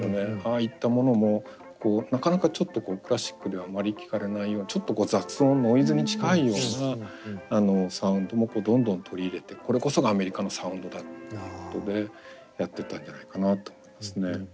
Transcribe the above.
ああいったものもこうなかなかちょっとクラシックではあまり聞かれないようなちょっとこう雑音ノイズに近いようなサウンドもどんどん取り入れてこれこそがアメリカのサウンドだっていうことでやってったんじゃないかなと思いますね。